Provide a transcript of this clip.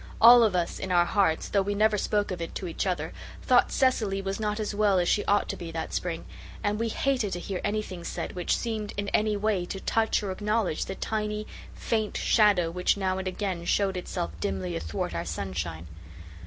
All of us, in our hearts, though we never spoke of it to each other, thought Cecily was not as well as she ought to be that spring, and we hated to hear anything said which seemed in any way to touch or acknowledge the tiny, faint shadow which now and again showed itself dimly athwart our sunshine.